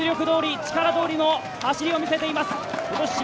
実力どおり、力どおりの走りを見せています。